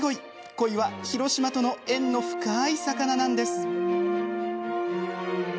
コイは広島との縁の深い魚なんです。